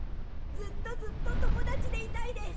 ずっとずっと友だちでいたいです。